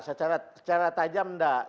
tidak secara tajam tidak